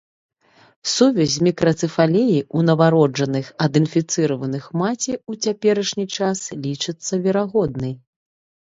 Сувязь з мікрацэфаліяй ў нованароджаных ад інфіцыраваных маці ў цяперашні час лічыцца верагоднай.